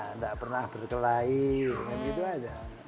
enggak pernah berkelahi gitu aja